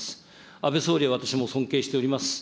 安倍総理は私も尊敬しております。